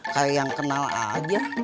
kalau yang kenal aja